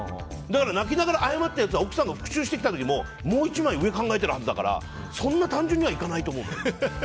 泣きながら謝ったやつは奥さんが復讐してきた時ももう１枚上考えてるはずだからそんな単純にはいかないはずなのよ。